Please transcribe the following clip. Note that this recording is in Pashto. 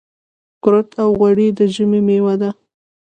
کورت او غوړي د ژمي مېوه ده .